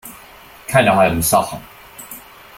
Keine halben Sachen.